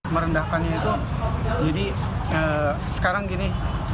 merendahkannya itu jadi sekarang gini